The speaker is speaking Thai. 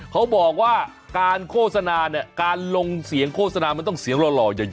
เขาบอกว่าการโฆษณาเนี่ยการลงเสียงโฆษณามันต้องเสียงหล่อใหญ่